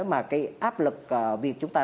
mà cái áp lực việc chúng ta